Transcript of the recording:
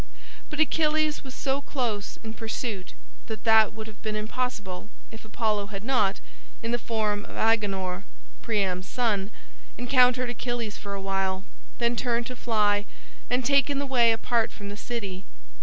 But Achilles was so close in pursuit that that would have been impossible if Apollo had not, in the form of Agenor, Priam's son, encountered Achilles for a while, then turned to fly, and taken the way apart from the city.